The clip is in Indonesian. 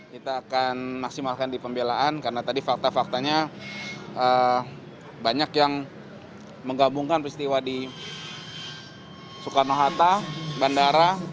kita akan maksimalkan di pembelaan karena tadi fakta faktanya banyak yang menggabungkan peristiwa di soekarno hatta bandara